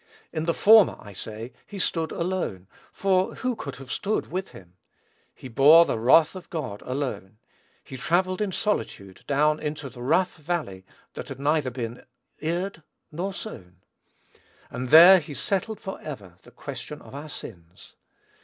In the former, I say, he stood alone, for who could have stood with him? He bore the wrath of God alone; he travelled in solitude down into "the rough valley that had neither been eared nor sown," and there he settled forever the question of our sins.